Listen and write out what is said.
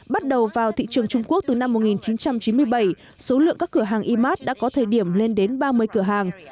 bắt đầu vào thị trường trung quốc từ năm một nghìn chín trăm chín mươi bảy số lượng các cửa hàng imart đã có thời điểm lên đến ba mươi cửa hàng